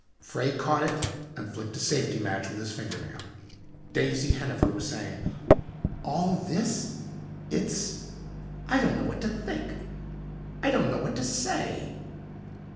Frey caught it and flicked a safety match with his fingernail. Daisy Hennifer was saying, "All this it's I don't know what to think. I don't know what to say."